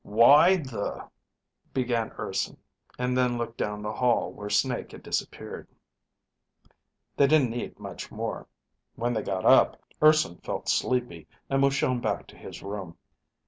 "Why the " began Urson, and then looked down the hall where Snake had disappeared. They didn't eat much more. When they got up, Urson felt sleepy and was shown back to his room.